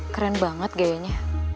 keren banget kayaknya